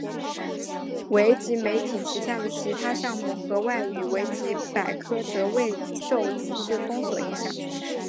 维基媒体旗下的其他项目和外语维基百科则未受此次封锁影响。